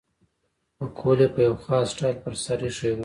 پکول یې په یو خاص سټایل پر سر اېښی وو.